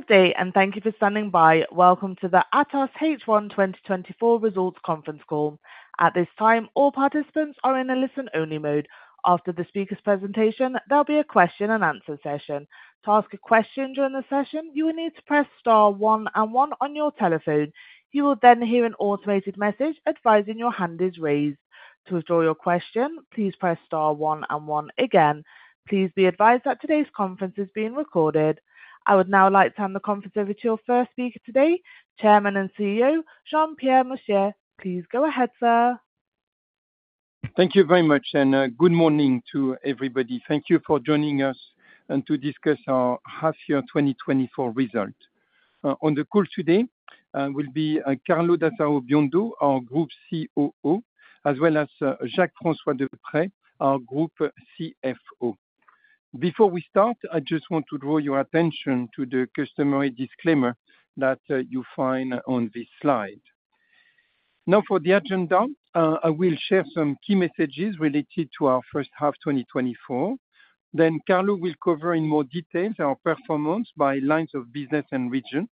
Good day, and thank you for standing by. Welcome to the Atos H1 2024 Results Conference Call. At this time, all participants are in a listen-only mode. After the speaker's presentation, there'll be a question-and-answer session. To ask a question during the session, you will need to press star one and one on your telephone. You will then hear an automated message advising your hand is raised. To withdraw your question, please press star one and one again. Please be advised that today's conference is being recorded. I would now like to hand the conference over to your first speaker today, Chairman and CEO Jean-Pierre Mustier. Please go ahead, sir. Thank you very much, and, good morning to everybody. Thank you for joining us, and to discuss our half year 2024 result. On the call today, will be, Carlo d'Asaro Biondo, our group COO, as well as, Jacques-François de Prest, our group CFO. Before we start, I just want to draw your attention to the customary disclaimer that, you find on this slide. Now, for the agenda, I will share some key messages related to our first half 2024, then Carlo will cover in more details our performance by lines of business and region,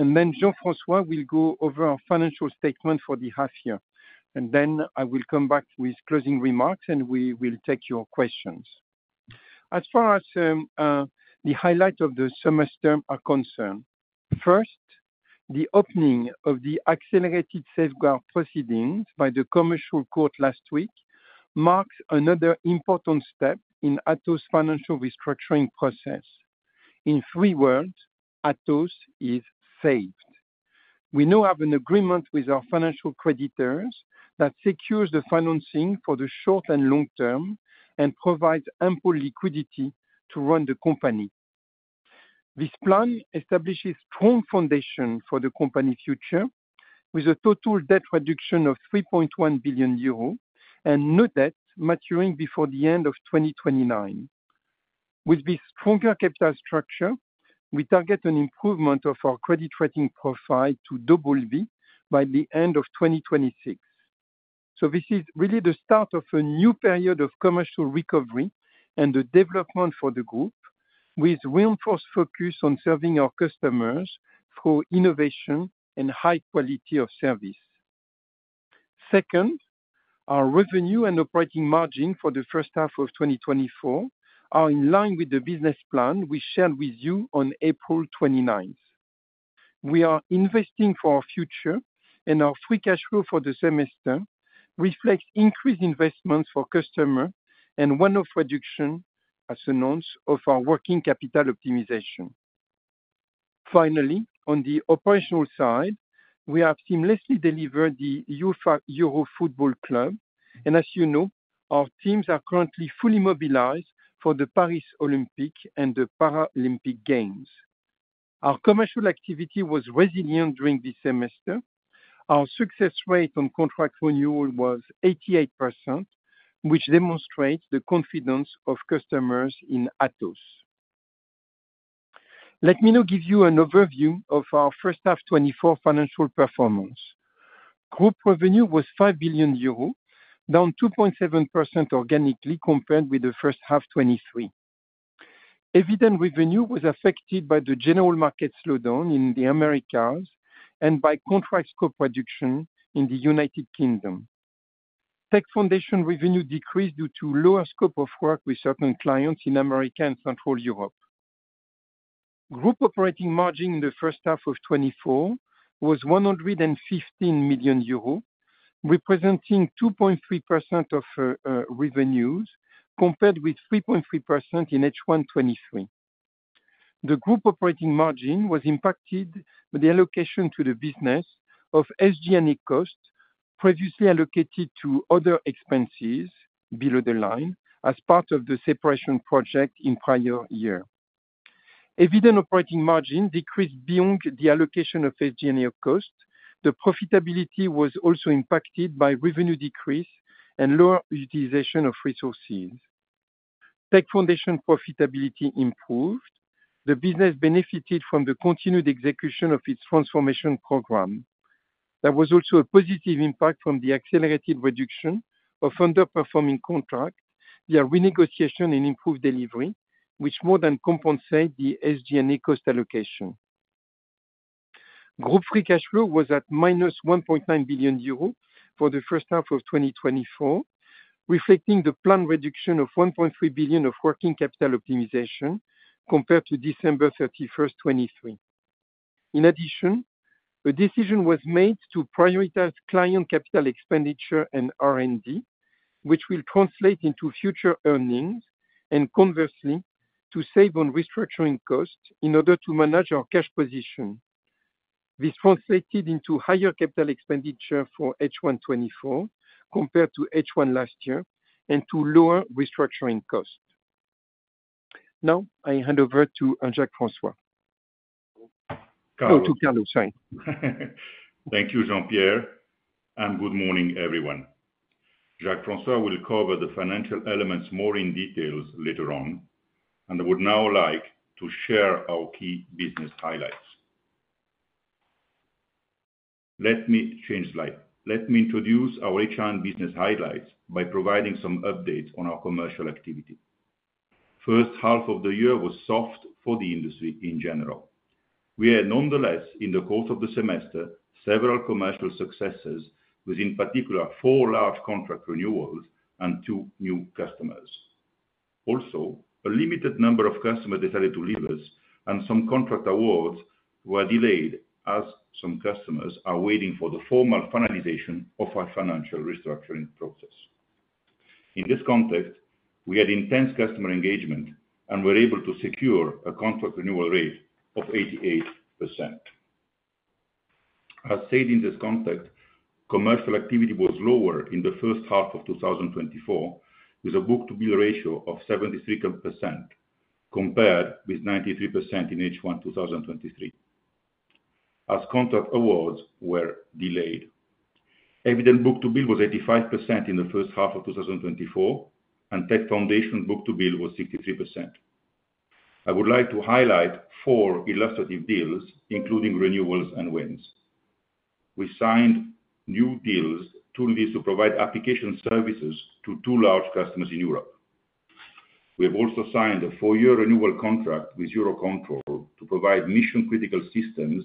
and then Jacques-François will go over our financial statement for the half year. And then I will come back with closing remarks, and we will take your questions. As far as the highlight of the semester are concerned, first, the opening of the accelerated safeguard proceedings by the Commercial Court last week marked another important step in Atos' financial restructuring process. In three words, Atos is saved. We now have an agreement with our financial creditors that secures the financing for the short and long term and provides ample liquidity to run the company. This plan establishes strong foundation for the company future, with a total debt reduction of 3.1 billion euro and no debt maturing before the end of 2029. With this stronger capital structure, we target an improvement of our credit rating profile to double B by the end of 2026. This is really the start of a new period of commercial recovery and the development for the group, with reinforced focus on serving our customers through innovation and high quality of service. Second, our revenue and operating margin for the first half of 2024 are in line with the business plan we shared with you on April 29. We are investing for our future, and our free cash flow for the semester reflects increased investments for customer and one-off reduction, as announced, of our working capital optimization. Finally, on the operational side, we have seamlessly delivered the UEFA Euro Football Club, and as you know, our teams are currently fully mobilized for the Paris Olympics and the Paralympic Games. Our commercial activity was resilient during this semester. Our success rate on contract renewal was 88%, which demonstrates the confidence of customers in Atos. Let me now give you an overview of our first half 2024 financial performance. Group revenue was 5 billion euro, down 2.7% organically compared with the first half 2023. Eviden revenue was affected by the general market slowdown in the Americas and by contract scope reduction in the United Kingdom. Tech Foundations revenue decreased due to lower scope of work with certain clients in America and Central Europe. Group operating margin in the first half of 2024 was 115 million euro, representing 2.3% of revenues, compared with 3.3% in H1 2023. The group operating margin was impacted by the allocation to the business of SG&A costs previously allocated to other expenses below the line as part of the separation project in prior year. Eviden operating margin decreased beyond the allocation of SG&A costs. The profitability was also impacted by revenue decrease and lower utilization of resources. Tech Foundations profitability improved. The business benefited from the continued execution of its transformation program. There was also a positive impact from the accelerated reduction of underperforming contract via renegotiation and improved delivery, which more than compensate the SG&A cost allocation. Group free cash flow was at -1.9 billion euro for the first half of 2024, reflecting the planned reduction of 1.3 billion of working capital optimization compared to December 31, 2023. In addition, a decision was made to prioritize client capital expenditure and R&D, which will translate into future earnings, and conversely, to save on restructuring costs in order to manage our cash position. This translated into higher capital expenditure for H1 2024 compared to H1 last year and to lower restructuring costs. Now, I hand over to, Jacques-François. Oh, to Carlo, sorry. Thank you, Jean-Pierre, and good morning, everyone. Jacques-François will cover the financial elements more in details later on, and I would now like to share our key business highlights. Let me change slide. Let me introduce our H1 and business highlights by providing some updates on our commercial activity. First half of the year was soft for the industry in general. We had, nonetheless, in the course of the semester, several commercial successes, with, in particular, four large contract renewals and two new customers. Also, a limited number of customers decided to leave us, and some contract awards were delayed, as some customers are waiting for the formal finalization of our financial restructuring process. In this context, we had intense customer engagement and were able to secure a contract renewal rate of 88%. As stated in this context, commercial activity was lower in the first half of 2024, with a book-to-bill ratio of 73%, compared with 93% in H1 2023, as contract awards were delayed. Eviden book-to-bill was 85% in the first half of 2024, and Tech Foundations book-to-bill was 63%. I would like to highlight 4 illustrative deals, including renewals and wins. We signed new deals, 2 deals, to provide application services to 2 large customers in Europe. We have also signed a 4-year renewal contract with EUROCONTROL to provide mission-critical systems,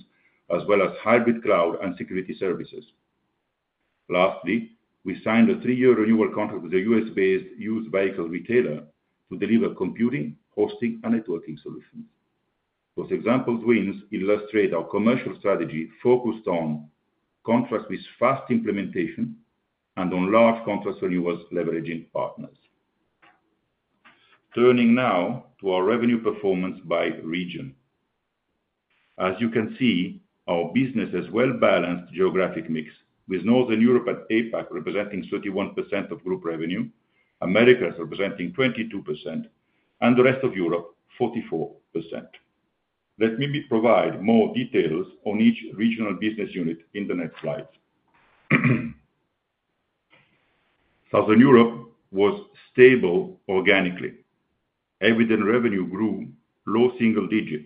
as well as hybrid cloud and security services. Lastly, we signed a 3-year renewal contract with a U.S.-based used vehicle retailer to deliver computing, hosting, and networking solutions. Those example wins illustrate our commercial strategy focused on contracts with fast implementation and on large contract renewals leveraging partners. Turning now to our revenue performance by region. As you can see, our business has well-balanced geographic mix, with Northern Europe and APAC representing 31% of group revenue, Americas representing 22%, and the rest of Europe, 44%. Let me provide more details on each regional business unit in the next slide. Southern Europe was stable organically. Eviden revenue grew low single digit.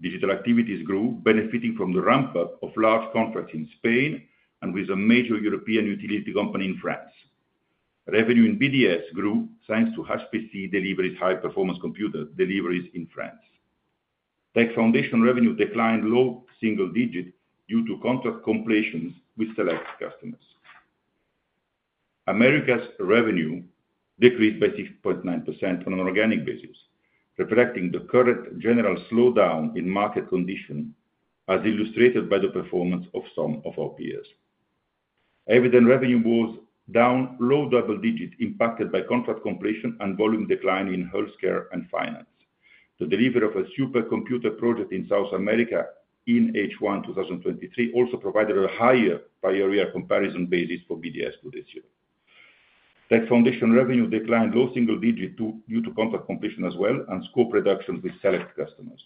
Digital activities grew, benefiting from the ramp-up of large contracts in Spain and with a major European utility company in France. Revenue in BDS grew, thanks to HPC deliveries, high-performance computer deliveries in France. Tech Foundations revenue declined low single digit due to contract completions with select customers. Americas revenue decreased by 6.9% on an organic basis, reflecting the current general slowdown in market condition, as illustrated by the performance of some of our peers. Eviden revenue was down low double digit, impacted by contract completion and volume decline in healthcare and finance. The delivery of a supercomputer project in South America in H1 2023 also provided a higher prior year comparison basis for BDS for this year. Tech Foundations revenue declined low single digit due to contract completion as well, and scope reductions with select customers.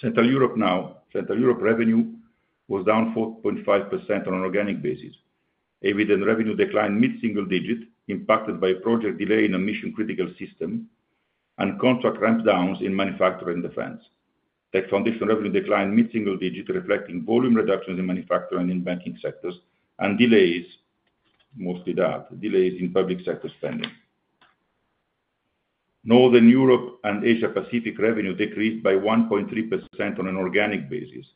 Central Europe now. Central Europe revenue was down 4.5% on an organic basis. Eviden revenue declined mid-single digit, impacted by project delay in a mission-critical system and contract ramp downs in manufacturing and defense. Tech Foundations revenue declined mid-single digit, reflecting volume reductions in manufacturing and in banking sectors, and delays, mostly that, delays in public sector spending. Northern Europe and Asia Pacific revenue decreased by 1.3% on an organic basis.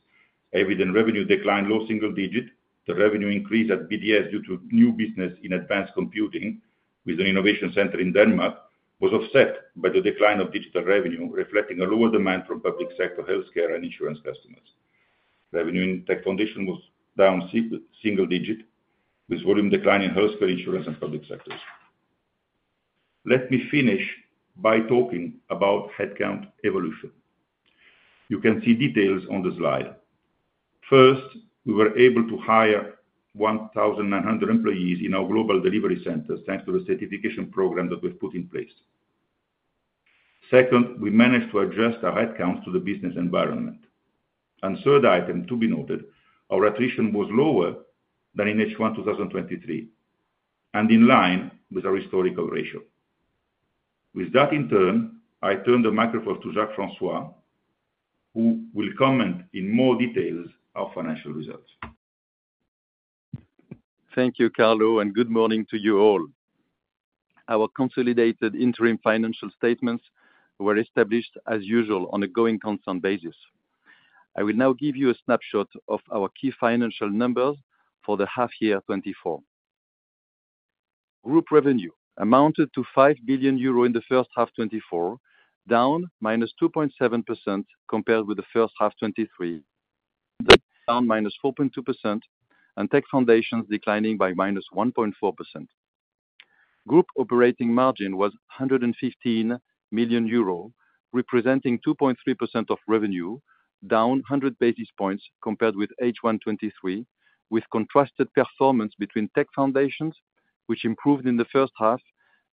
Eviden revenue declined low single digit. The revenue increase at BDS due to new business in advanced computing with an innovation center in Denmark, was offset by the decline of digital revenue, reflecting a lower demand from public sector, healthcare, and insurance customers. Revenue in Tech Foundations was down single digit, with volume decline in healthcare, insurance, and public sectors. Let me finish by talking about headcount evolution. You can see details on the slide. First, we were able to hire 1,900 employees in our global delivery centers, thanks to the certification program that we've put in place. Second, we managed to adjust our headcounts to the business environment. And third item, to be noted, our attrition was lower than in H1 2023, and in line with our historical ratio. With that, in turn, I turn the microphone to Jacques-François, who will comment in more details our financial results. Thank you, Carlo, and good morning to you all. Our consolidated interim financial statements were established as usual on a going concern basis. I will now give you a snapshot of our key financial numbers for the half year 2024. Group revenue amounted to 5 billion euro in the first half 2024, down -2.7% compared with the first half 2023. Down -4.2%, and Tech Foundations declining by -1.4%. Group operating margin was 115 million euro, representing 2.3% of revenue, down 100 basis points compared with H1 2023, with contrasted performance between Tech Foundations, which improved in the first half,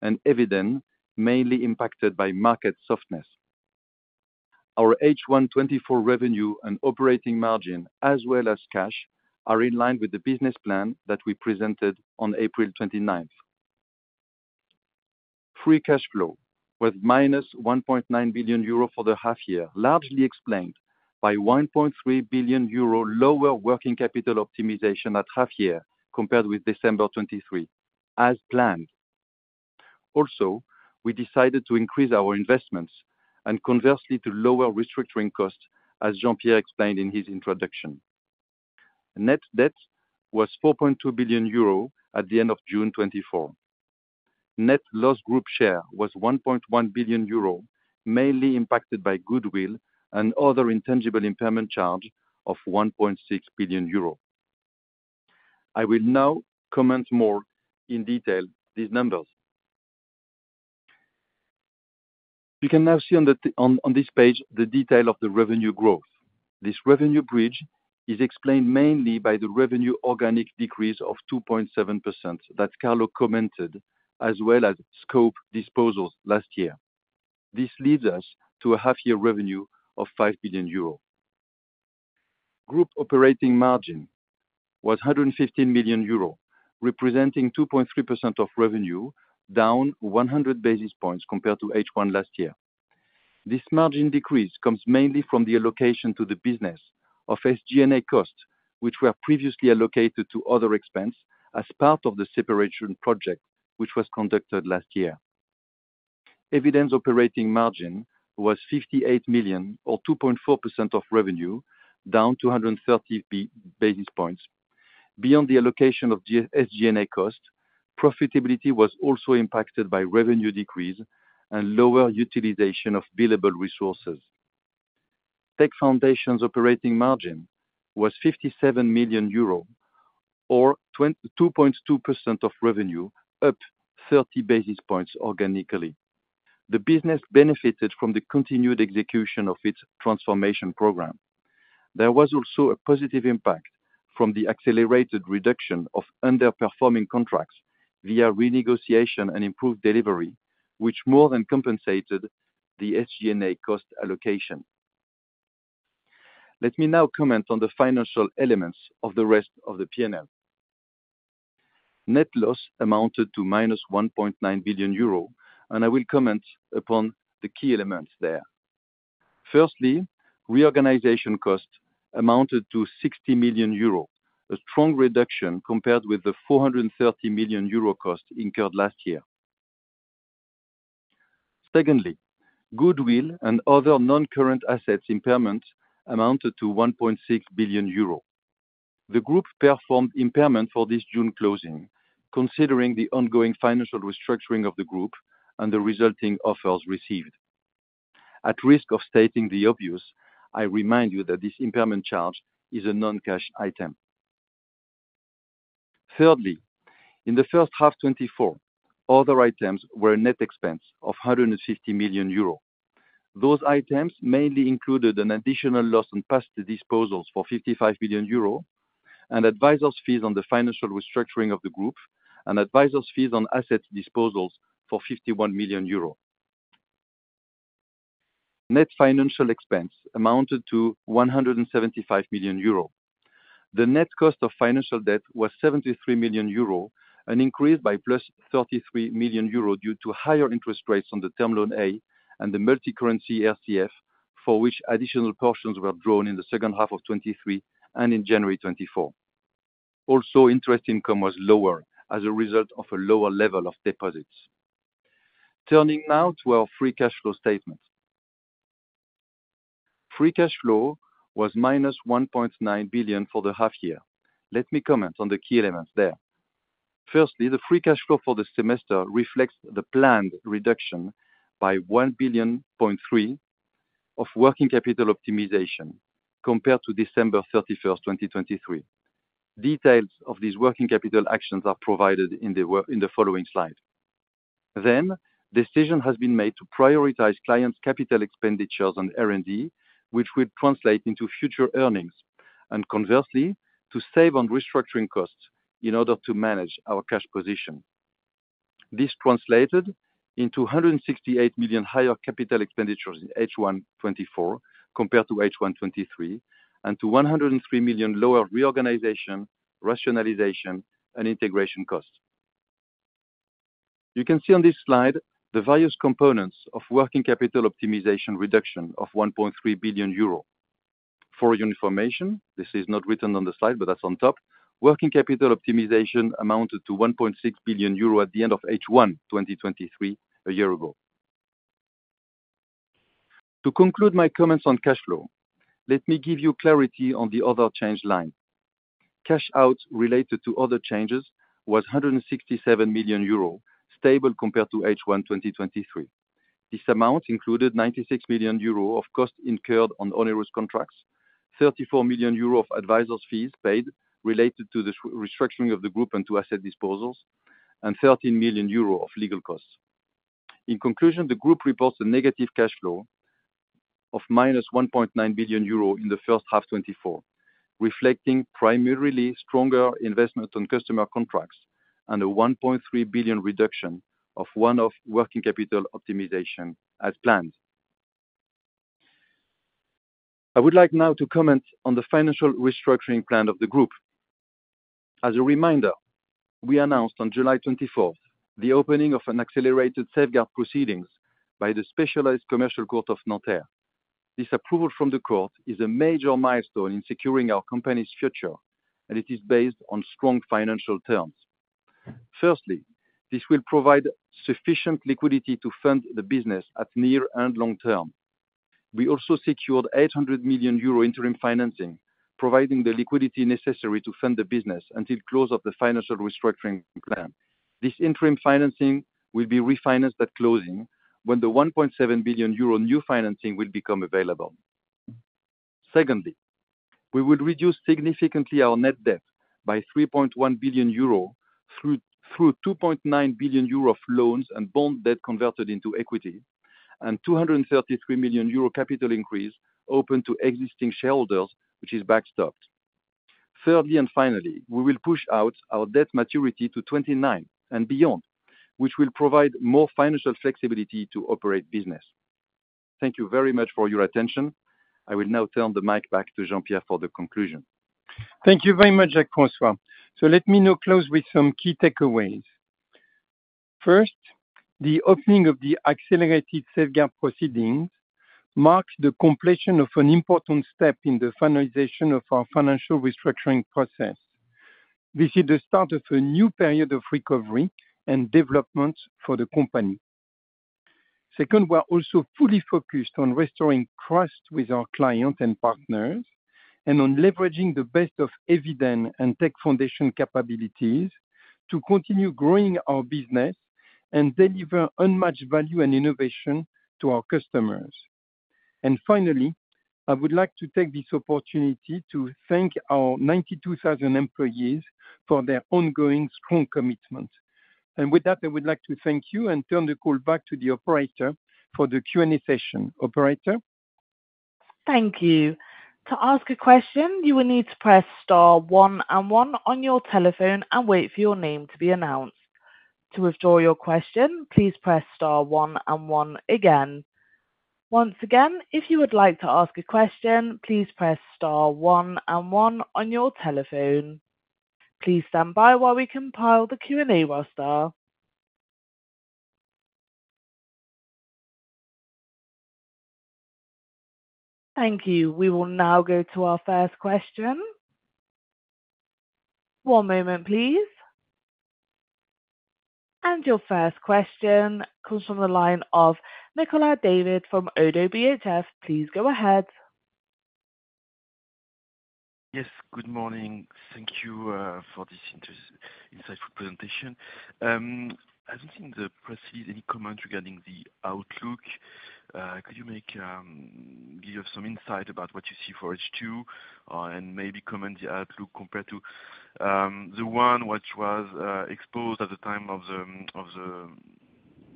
and Eviden, mainly impacted by market softness. Our H1 2024 revenue and operating margin, as well as cash, are in line with the business plan that we presented on April 29.... Free cash flow was -1.9 billion euro for the half year, largely explained by 1.3 billion euro lower working capital optimization at half year, compared with December 2023, as planned. Also, we decided to increase our investments and conversely, to lower restructuring costs, as Jean-Pierre explained in his introduction. Net debt was 4.2 billion euro at the end of June 2024. Net loss group share was 1.1 billion euro, mainly impacted by goodwill and other intangible impairment charge of 1.6 billion euro. I will now comment more in detail, these numbers. You can now see on this page, the detail of the revenue growth. This revenue bridge is explained mainly by the revenue organic decrease of 2.7%, that Carlo commented, as well as scope disposals last year. This leads us to a half-year revenue of 5 billion euro. Group operating margin was 115 million euro, representing 2.3% of revenue, down 100 basis points compared to H1 last year. This margin decrease comes mainly from the allocation to the business of SG&A costs, which were previously allocated to other expense as part of the separation project, which was conducted last year. Eviden operating margin was 58 million or 2.4% of revenue, down 230 basis points. Beyond the allocation of the SG&A cost, profitability was also impacted by revenue decrease and lower utilization of billable resources. Tech Foundations' operating margin was 57 million euro or 2.2% of revenue, up 30 basis points organically. The business benefited from the continued execution of its transformation program. There was also a positive impact from the accelerated reduction of underperforming contracts via renegotiation and improved delivery, which more than compensated the SG&A cost allocation. Let me now comment on the financial elements of the rest of the P&L. Net loss amounted to -1.9 billion euro, and I will comment upon the key elements there. Firstly, reorganization costs amounted to 60 million euro, a strong reduction compared with the 430 million euro cost incurred last year. Secondly, goodwill and other non-current assets impairment amounted to 1.6 billion euro. The group performed impairment for this June closing, considering the ongoing financial restructuring of the group and the resulting offers received. At risk of stating the obvious, I remind you that this impairment charge is a non-cash item. Thirdly, in the first half of 2024, other items were a net expense of 150 million euros. Those items mainly included an additional loss on past disposals for 55 million euros and advisors' fees on the financial restructuring of the group, and advisors' fees on asset disposals for 51 million euros. Net financial expense amounted to 175 million euros. The net cost of financial debt was 73 million euros, an increase by +33 million euros due to higher interest rates on the Term Loan A, and the multicurrency RCF, for which additional portions were drawn in the second half of 2023 and in January 2024. Also, interest income was lower as a result of a lower level of deposits. Turning now to our free cash flow statement. Free cash flow was -1.9 billion for the half year. Let me comment on the key elements there. Firstly, the free cash flow for the semester reflects the planned reduction by 1.3 billion of working capital optimization compared to December 31, 2023. Details of these working capital actions are provided in the following slide. Decision has been made to prioritize clients' capital expenditures on R&D, which will translate into future earnings, and conversely, to save on restructuring costs in order to manage our cash position. This translated into 168 million higher capital expenditures in H1 2024, compared to H1 2023, and to 103 million lower reorganization, rationalization, and integration costs. You can see on this slide the various components of working capital optimization reduction of 1.3 billion euro. For your information, this is not written on the slide, but that's on top. Working capital optimization amounted to 1.6 billion euro at the end of H1 2023, a year ago. To conclude my comments on cash flow, let me give you clarity on the other change line. Cash out related to other changes was 167 million euro, stable compared to H1 2023. This amount included 96 million euro of costs incurred on onerous contracts, 34 million euro of advisors' fees paid related to the restructuring of the group and to asset disposals, and 13 million euro of legal costs. In conclusion, the group reports a negative cash flow of -1.9 billion euro in the first half 2024, reflecting primarily stronger investments on customer contracts and a 1.3 billion reduction in our working capital optimization as planned. I would like now to comment on the financial restructuring plan of the group. As a reminder, we announced on July 24, the opening of an accelerated safeguard proceedings by the Specialized Commercial Court of Nanterre. This approval from the court is a major milestone in securing our company's future, and it is based on strong financial terms. Firstly, this will provide sufficient liquidity to fund the business at near and long term. We also secured 800 million euro interim financing, providing the liquidity necessary to fund the business until close of the financial restructuring plan. This interim financing will be refinanced at closing, when the 1.7 billion euro new financing will become available. Secondly, we will reduce significantly our net debt by 3.1 billion euro, through two point nine billion euro of loans and bond debt converted into equity, and 233 million euro capital increase open to existing shareholders, which is backstopped. Thirdly, and finally, we will push out our debt maturity to 2029 and beyond, which will provide more financial flexibility to operate business. Thank you very much for your attention. I will now turn the mic back to Jean-Pierre for the conclusion. Thank you very much, Jacques-François. So let me now close with some key takeaways. First, the opening of the accelerated safeguard proceedings marks the completion of an important step in the finalization of our financial restructuring process. This is the start of a new period of recovery and development for the company. Second, we are also fully focused on restoring trust with our clients and partners, and on leveraging the best of Eviden and Tech Foundations capabilities to continue growing our business and deliver unmatched value and innovation to our customers. And finally, I would like to take this opportunity to thank our 92,000 employees for their ongoing strong commitment. And with that, I would like to thank you and turn the call back to the operator for the Q&A session. Operator? Thank you. To ask a question, you will need to press star one and one on your telephone and wait for your name to be announced. To withdraw your question, please press star one and one again. Once again, if you would like to ask a question, please press star one and one on your telephone. Please stand by while we compile the Q&A roster. Thank you. We will now go to our first question. One moment, please. And your first question comes from the line of Nicolas David from ODDO BHF. Please go ahead. Yes, good morning. Thank you for this insightful presentation. I don't think there's any comment regarding the outlook. Could you give some insight about what you see for H2, and maybe comment on the outlook compared to the one which was exposed at the time of the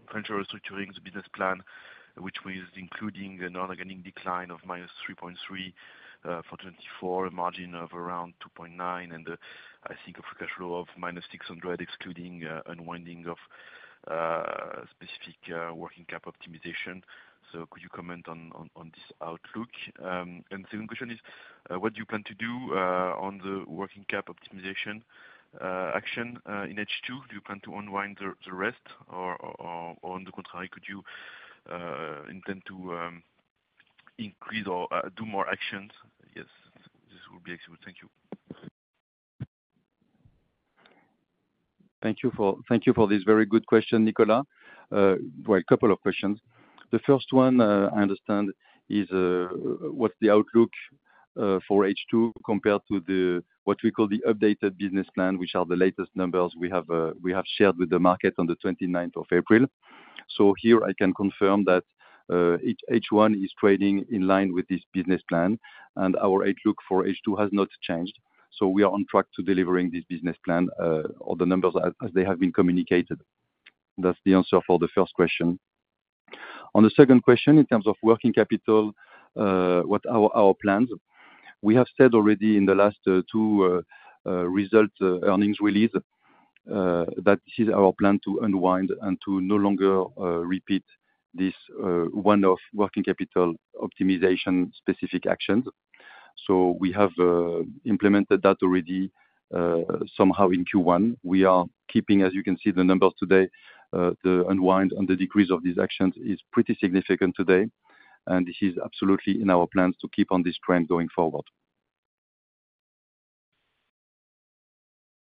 financial restructuring, the business plan, which was including an organic decline of -3.3% for 2024, a margin of around 2.9%, and I think a free cash flow of -600 million, excluding unwinding of specific working capital optimization. So could you comment on this outlook? And the second question is, what do you plan to do on the working capital optimization action in H2? Do you plan to unwind the rest or, on the contrary, could you intend to increase or do more actions? Yes, this would be excellent. Thank you. Thank you for, thank you for this very good question, Nicolas. Well, a couple of questions. The first one, I understand is, what's the outlook, for H2 compared to the, what we call the updated business plan, which are the latest numbers we have, we have shared with the market on the twenty-ninth of April. So here I can confirm that, H1 is trading in line with this business plan, and our outlook for H2 has not changed. So we are on track to delivering this business plan, or the numbers as, as they have been communicated. That's the answer for the first question. On the second question, in terms of working capital, what are our plans? We have said already in the last two result earnings release that this is our plan to unwind and to no longer repeat this one-off working capital optimization specific actions. So we have implemented that already somehow in Q1. We are keeping, as you can see, the numbers today, the unwind and the decrease of these actions is pretty significant today, and this is absolutely in our plans to keep on this trend going forward.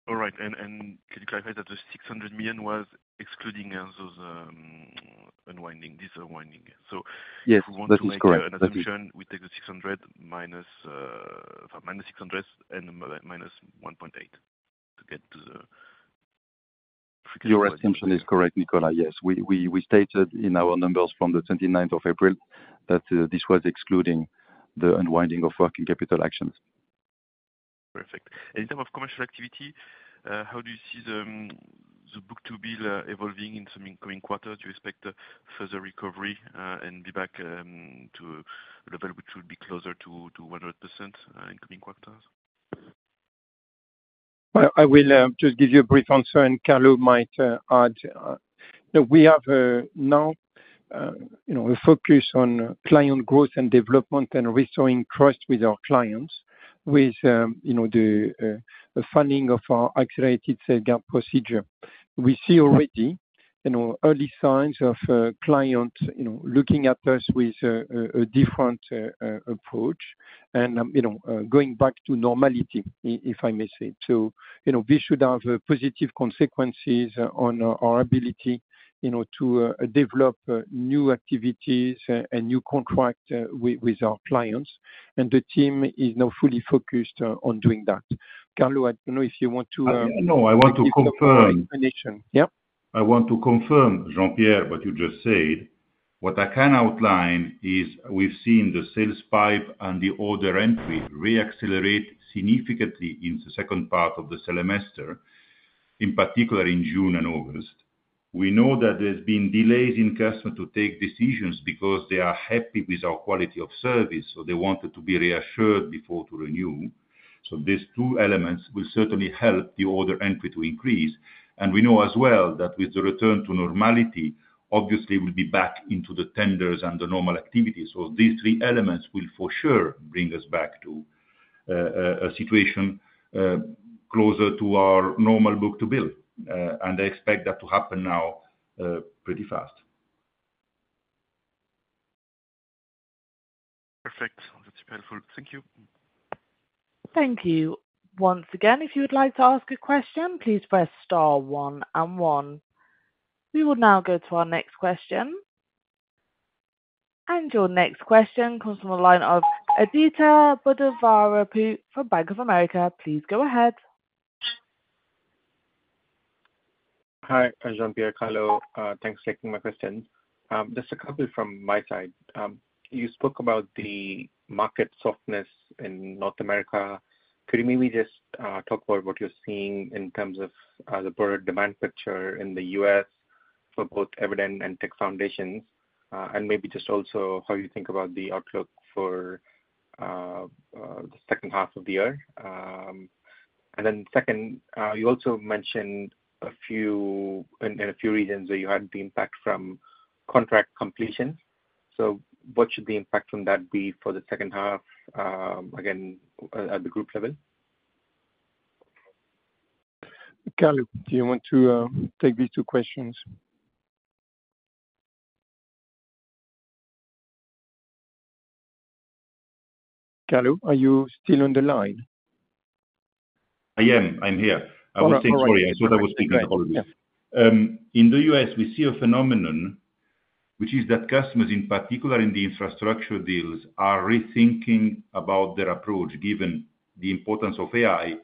All right, and could you clarify that the 600 million was excluding those, unwinding, this unwinding? Yes, that is correct. So if we want to make another assumption, we take the 600 minus -600 and -1.8 to get to the- Your assumption is correct, Nicolas. Yes, we stated in our numbers from the twenty-ninth of April, that this was excluding the unwinding of working capital actions. Perfect. In terms of commercial activity, how do you see the book-to-bill evolving in some incoming quarters? Do you expect a further recovery and be back to a level which would be closer to 100% in coming quarters? ... Well, I will just give you a brief answer, and Carlo might add. We have now, you know, a focus on client growth and development and restoring trust with our clients, with, you know, the the funding of our accelerated safeguard procedure. We see already, you know, early signs of, clients, you know, looking at us with, a different, approach, and, you know, going back to normality, if I may say. So, you know, this should have positive consequences on, our ability, you know, to, develop, new activities and new contract, with, with our clients, and the team is now fully focused, on doing that. Carlo, I don't know if you want to, No, I want to confirm- Yeah. I want to confirm, Jean-Pierre, what you just said. What I can outline is we've seen the sales pipe and the order entry re-accelerate significantly in the second part of the semester, in particular, in June and August. We know that there's been delays in customer to take decisions because they are happy with our quality of service, so they wanted to be reassured before to renew. So these two elements will certainly help the order entry to increase. And we know as well, that with the return to normality, obviously, we'll be back into the tenders and the normal activity. So these three elements will, for sure, bring us back to a situation closer to our normal book-to-bill, and I expect that to happen now, pretty fast. Perfect. That's helpful. Thank you. Thank you. Once again, if you would like to ask a question, please press star one and one. We will now go to our next question. Your next question comes from the line of Aditya Buddhavarapu from Bank of America. Please go ahead. Hi, Jean-Pierre, Carlo, thanks for taking my questions. Just a couple from my side. You spoke about the market softness in North America. Could you maybe just talk about what you're seeing in terms of the broader demand picture in the US for both Eviden and Tech Foundations? And maybe just also how you think about the outlook for the second half of the year. And then second, you also mentioned a few regions where you had the impact from contract completion. So what should the impact from that be for the second half, again, at the group level? Carlo, do you want to take these two questions? Carlo, are you still on the line? I am. I'm here. All right. I was sorry. I thought I was speaking only me. Yeah. In the U.S., we see a phenomenon, which is that customers, in particular in the infrastructure deals, are rethinking about their approach, given the importance of AI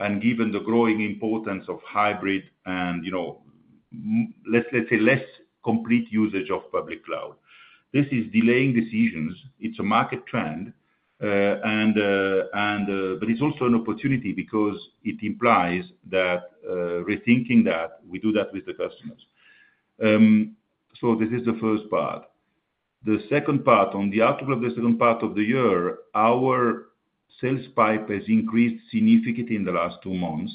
and given the growing importance of hybrid and, you know, let's say, less complete usage of public cloud. This is delaying decisions. It's a market trend, and-- But it's also an opportunity because it implies that, rethinking that, we do that with the customers. So this is the first part. The second part, on the outlook of the second part of the year, our sales pipe has increased significantly in the last two months,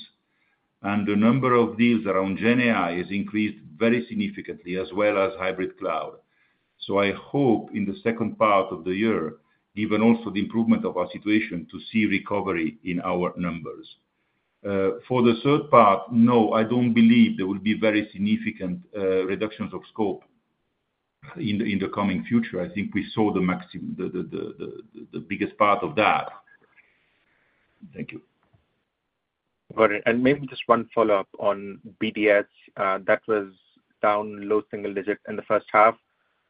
and the number of deals around GenAI has increased very significantly, as well as hybrid cloud. So I hope in the second part of the year, given also the improvement of our situation, to see recovery in our numbers. For the third part, no, I don't believe there will be very significant reductions of scope in the coming future. I think we saw the maximum, the biggest part of that. Thank you. Got it. And maybe just one follow-up on BDS, that was down low single digits in the first half.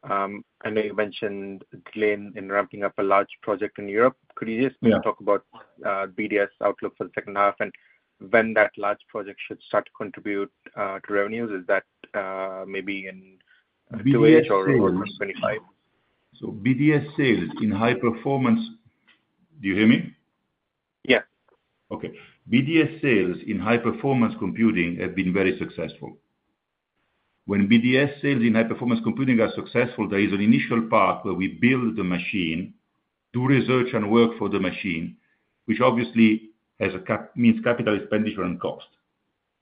I know you mentioned a delay in ramping up a large project in Europe. Yeah. Could you just maybe talk about BDS outlook for the second half, and when that large project should start to contribute to revenues? Is that maybe in two years or 2025? BDS sales in high performance... Do you hear me? Yeah. Okay. BDS sales in high performance computing have been very successful. When BDS sales in high performance computing are successful, there is an initial part where we build the machine, do research and work for the machine, which obviously has a cap, means capital expenditure and cost.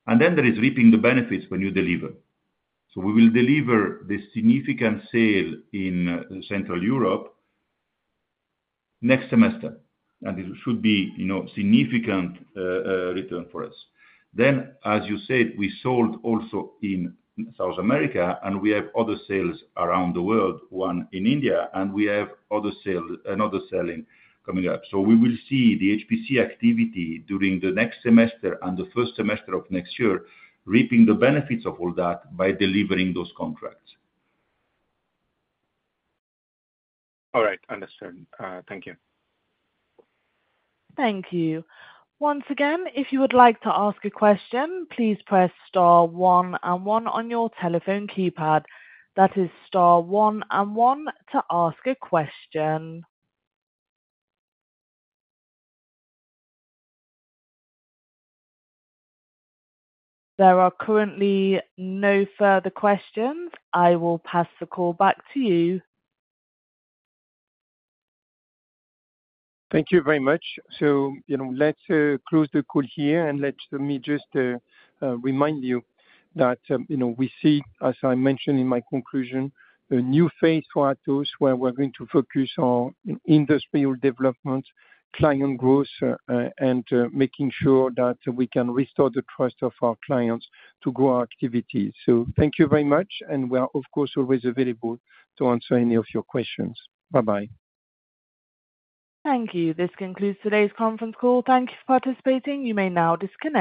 And then there is reaping the benefits when you deliver. So we will deliver the significant sale in Central Europe next semester, and it should be, you know, significant return for us. Then, as you said, we sold also in South America, and we have other sales around the world, one in India, and we have other sale, another sale coming up. So we will see the HPC activity during the next semester and the first semester of next year, reaping the benefits of all that by delivering those contracts. All right, understood. Thank you. Thank you. Once again, if you would like to ask a question, please press star one and one on your telephone keypad. That is star one and one to ask a question. There are currently no further questions. I will pass the call back to you. Thank you very much. So, you know, let's close the call here, and let me just remind you that, you know, we see, as I mentioned in my conclusion, a new phase for Atos, where we're going to focus on industry development, client growth, and making sure that we can restore the trust of our clients to grow our activities. So thank you very much, and we are, of course, always available to answer any of your questions. Bye-bye. Thank you. This concludes today's conference call. Thank you for participating. You may now disconnect.